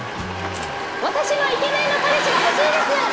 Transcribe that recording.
私もイケメンの彼氏が欲しいです！